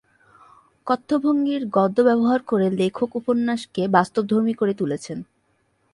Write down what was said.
কথ্যভঙ্গির গদ্য ব্যবহার করে লেখক উপন্যাসকে বাস্তবধর্মী করে তুলেছেন।